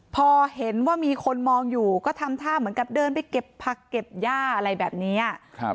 พอเห็นว่ามีคนมองอยู่ก็ทำท่าเหมือนกับเดินไปเก็บผักเก็บย่าอะไรแบบนี้